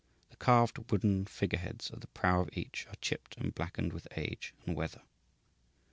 The carved, wooden figure heads at the prow of each are chipped and blackened with age and weather.